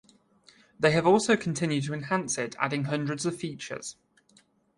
They have also continued to enhance it, adding hundreds of features.